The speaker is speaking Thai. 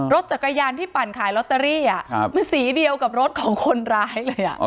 รถจักรยานที่ปั่นขายลอตเตอรี่มันสีเดียวกับรถของคนร้ายเลย